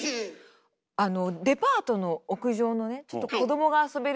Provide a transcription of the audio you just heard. あのデパートの屋上のねちょっと子供が遊べる